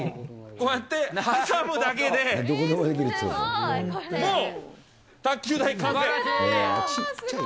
こうやって挟むだけで、すごい。